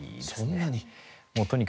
そんなに。